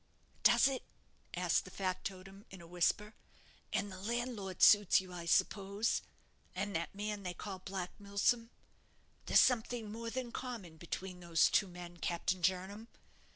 "Does it?" asked the factotum, in a whisper; "and the landlord suits you, I suppose? and that man they call Black Milsom? There's something more than common between those two men, Captain Jernam.